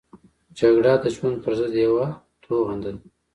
جګړه د ژوند پرضد یوه توغنده ده